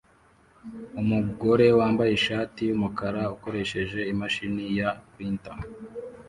Umugore wambaye ishati yumukara ukoresheje imashini ya printer